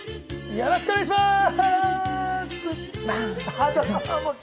よろしくお願いします。